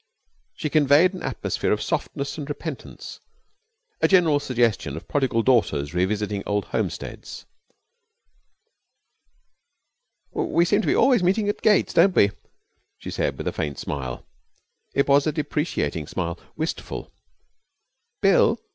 She conveyed an atmosphere of softness and repentance, a general suggestion of prodigal daughters revisiting old homesteads. 'We seem always to be meeting at gates, don't we?' she said, with a faint smile. It was a deprecating smile, wistful. 'Bill!'